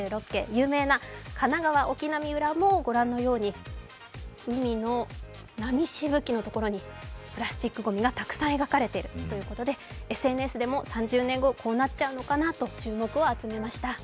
有名な「神奈川沖浪裏」も御覧のように海の波しぶきのところにプラスチックごみがあふれているＳＮＳでも３０年後こうなっちゃうのかなと注目を集めました。